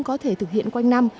có thể thực hiện quanh năm